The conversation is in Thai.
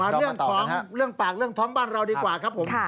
เรื่องของเรื่องปากเรื่องท้องบ้านเราดีกว่าครับผม